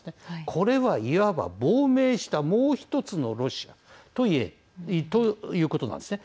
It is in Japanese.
これはいわば亡命したもう１つのロシアということなんですね。